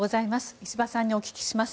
石破さんにお聞きします。